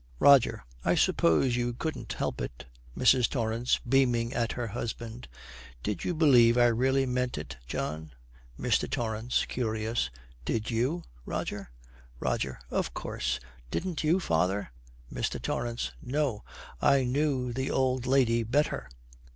ROGER. 'I suppose you couldn't help it.' MRS. TORRANCE, beaming on her husband, 'Did you believe I really meant it, John?' MR. TORRANCE, curious, 'Did you, Roger?' ROGER. 'Of course. Didn't you, father?' MR. TORRANCE. 'No! I knew the old lady better.'